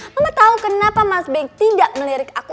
mama tau kenapa mas be tidak ngelirik aku